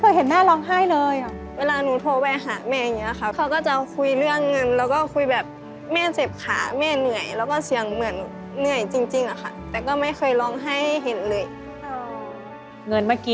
เป็นยังไงลูกหรือสึกยังไงคะลูก